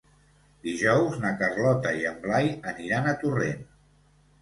Dijous na Carlota i en Blai aniran a Torrent.